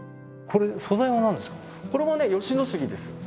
これはね吉野杉です。